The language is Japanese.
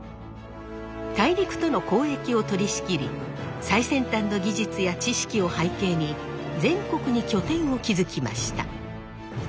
大陸との交易を取りしきり最先端の技術や知識を背景に全国に拠点を築きました。